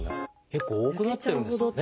結構多くなってるんですかね。